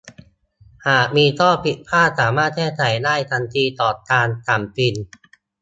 หากมีข้อผิดพลาดสามารถแก้ไขได้ทันทีก่อนการสั่งพิมพ์